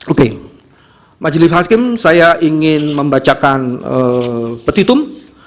oke majelis hakim saya ingin membacakan petitum